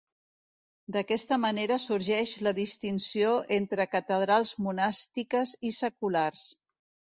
D'aquesta manera sorgeix la distinció entre catedrals monàstiques i seculars.